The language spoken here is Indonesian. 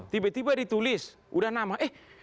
tiba tiba ditulis udah nama eh